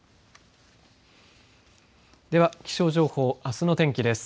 では、気象情報あすの天気です。